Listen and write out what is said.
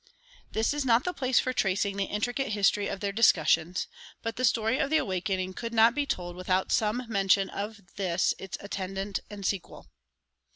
This is not the place for tracing the intricate history of their discussions,[182:1] but the story of the Awakening could not be told without some mention of this its attendant and sequel.